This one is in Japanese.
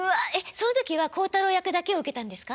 その時は孝太郎役だけを受けたんですか？